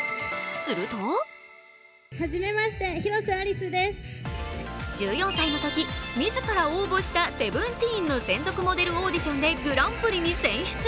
すると１４歳のとき、自ら応募した「Ｓｅｖｅｎｔｅｅｎ」の専属モデルオーディションでグランプリに選出。